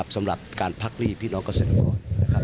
สำหรับการพักหนี้พี่น้องเกษตรกร